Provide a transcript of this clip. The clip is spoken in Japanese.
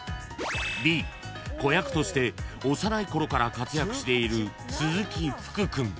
［Ｂ子役として幼いころから活躍している鈴木福君］